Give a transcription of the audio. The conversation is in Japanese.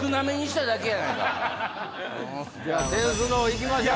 点数の方いきましょう。